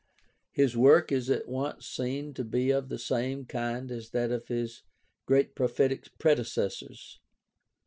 His work is at once seen to be of the same kind as that of his great prophetic predecessors.